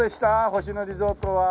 星野リゾートは。